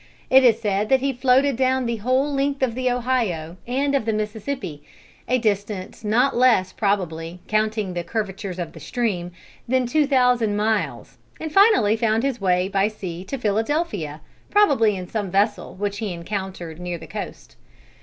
It is said that he floated down the whole length of the Ohio and of the Mississippi, a distance not less probably, counting the curvatures of the stream, than two thousand miles, and finally found his way by sea to Philadelphia, probably in some vessel which he encountered near the coast.